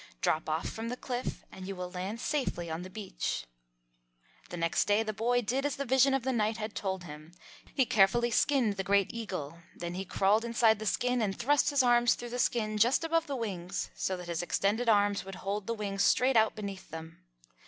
Drop off from the cliff and you will land safely on the beach." The next day the boy did as the vision of the night had told him. He carefully skinned the Great Eagle. Then he crawled inside the skin and thrust his arms through the skin just above the wings, so that his extended arms would hold the wings straight out beneath them.